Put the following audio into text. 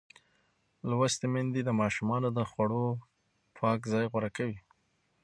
لوستې میندې د ماشومانو د خوړو پاک ځای غوره کوي.